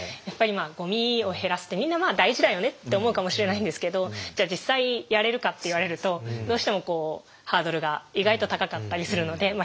やっぱりまあゴミを減らすってみんなまあ大事だよねって思うかもしれないんですけどじゃあ実際やれるかって言われるとどうしてもこうハードルが意外と高かったりするので。